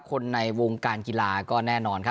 คนในวงการกีก็แน่นอน